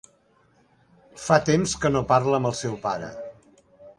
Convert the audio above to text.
Fa temps que no parla amb el seu pare.